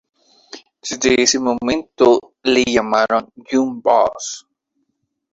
Desde ese momento le llamaron Yung Boss.